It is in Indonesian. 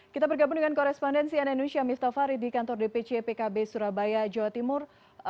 kita bergabung dengan korespondensi annusia miftah farid di kantor dpc pkb surabaya jawa timur